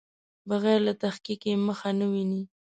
بغیر له تحقیق یې مخه نه ویني.